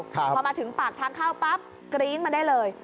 พอมาถึงปากทางเข้าปั๊บกรี๊ดมาได้เลย